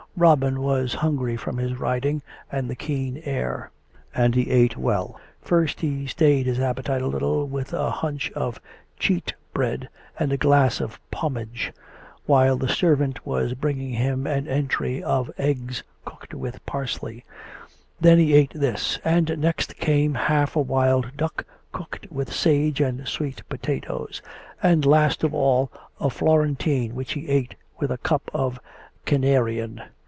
Robin was hungry from his riding and the keen air; and he ate well. First he stayed his appetite a little with a hunch of cheat bread, and a glass of pomage, while the serv COME RACK! COME ROPE! 19 ant was bringing him his entry of eggs cooked with pars ley. Then he ate this; and next came half a wild duck cooked with sage and sweet potatoes'; and last of all a florentine which he ate with a cup of Canarian.